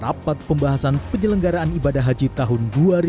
rapat pembahasan penyelenggaraan ibadah haji tahun dua ribu dua puluh